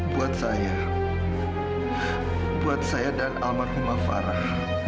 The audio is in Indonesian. buat saya buat saya dan almaku mafarah